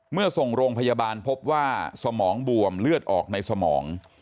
เมื่อส่งโรงพยาบาลพบว่าสมองบวมเลือดออกในสมอง